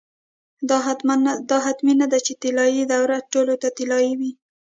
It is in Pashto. دا حتمي نه ده چې طلايي دوره ټولو ته طلايي وي.